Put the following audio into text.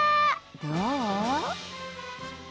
どう？